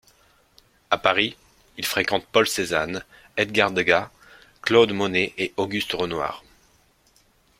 À Paris, Il fréquente Paul Cézanne, Edgar Degas, Claude Monet et Auguste Renoir.